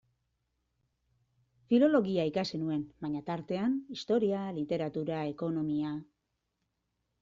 Filologia ikasi nuen, baina, tartean, historia, literatura, ekonomia...